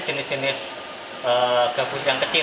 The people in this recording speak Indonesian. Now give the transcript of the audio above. jenis jenis gabus yang kecil